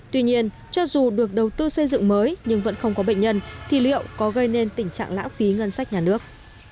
tuy nhiên cho dù được đầu tư xây dựng mới nhưng vẫn không có bệnh nhân thì liệu có gây nên tình trạng lãng phí ngân sách nhà nước